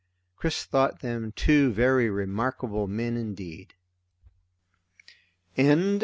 Chris thought them two very remarkable men indeed.